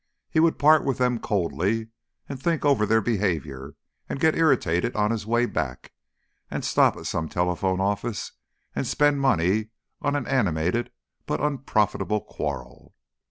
He would part with them coldly, and think over their behaviour, and get irritated on his way back, and stop at some telephone office and spend money on an animated but unprofitable quarrel.